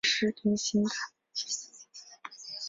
某些国家的警告标志是菱形的。